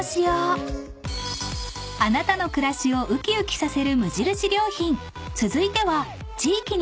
［あなたの暮らしを浮き浮きさせる無印良品］